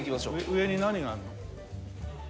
上に何があるの？